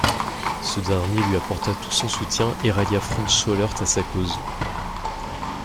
Ce dernier lui apporta tout son soutien et rallia Frans Schollaert à sa cause.